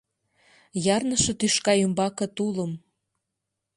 Ярныше тӱшка ӱмбаке тулым